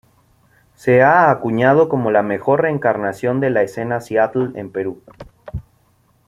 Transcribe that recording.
Se ha acuñado como la mejor "reencarnación" de la escena Seattle en el Perú.